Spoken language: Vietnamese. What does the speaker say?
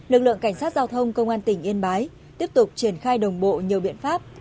lực lượng cảnh sát giao thông công an tỉnh yên bái tiếp tục triển khai đồng bộ nhiều biện pháp